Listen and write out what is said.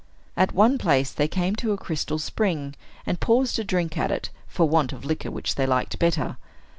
At one place they came to a crystal spring, and paused to drink at it for want of liquor which they liked better.